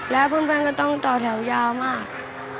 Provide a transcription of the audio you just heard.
แล้วเพื่อนก็ต้องต่อแถวยาวมาก